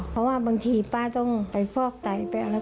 เพราะว่าบางทีป้าต้องไปฟอกไตไปอะไร